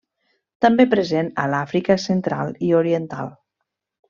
També present a l'Àfrica Central i Oriental.